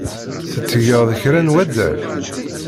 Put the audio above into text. Tettgeḍ kra n waddal?